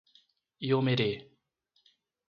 Iomerê